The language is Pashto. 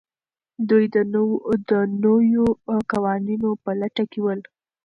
دوی د نویو قوانینو په لټه کې ول.